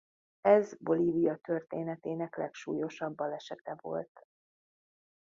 Ez Bolívia történetének legsúlyosabb balesete volt.